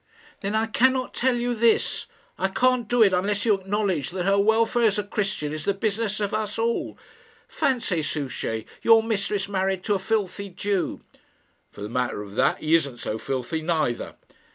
"Then I cannot tell you this. I can't do it unless you acknowledge that her welfare as a Christian is the business of us all. Fancy, Souchey, your mistress married to a filthy Jew!" "For the matter of that, he isn't so filthy neither."